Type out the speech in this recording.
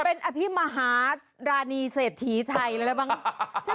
เป็นอภิมหารานีเศรษฐีไทยอะไรบ้าง